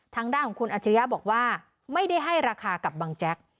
ทางด้านของคุณอัจฉริยะบอกว่าไม่ได้ให้ราคากับบังแจ๊ก